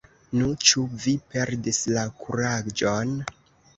Nu, ĉu vi perdis la kuraĝon?